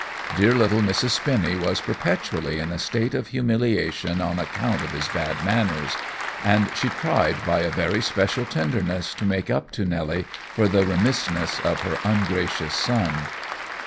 Dear little Mrs. Spinny was perpetually in a state of humiliation on account of his bad manners, and she tried by a very special tenderness to make up to Nelly for the remissness of her ungracious son.